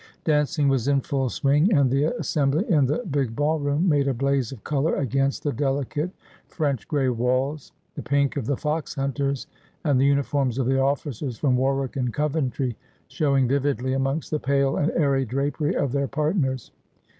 Dancing was in full swing, and the assembly in the big ball room made a blaze of colour against the delicate French gray walls ; the pink of the fox hunters, and the uniforms of the officers from Warwick and Coventry, showing vividly amongst the pale and airy drapery of their partners.